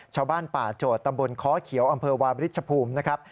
ชาวบ้านป่าโจทย์ตำบลค้อเขียวอำเภอวาบริชภูมินะครับ